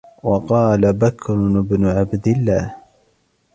وَقَالَ بَكْرُ بْنُ عَبْدِ اللَّهِ